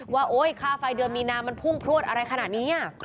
ว่าโอ๊ยค่าไฟเดือนมีนามันพุ่งพลวดอะไรขนาดนี้